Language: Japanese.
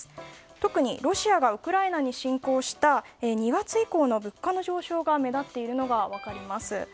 特にロシアがウクライナに侵攻した２月以降の物価の上昇が目立っているのが分かります。